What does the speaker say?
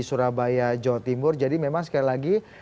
surabaya jawa timur jadi memang sekali lagi